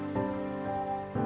terima kasih ya